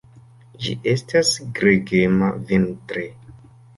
Ĝi estas gregema vintre.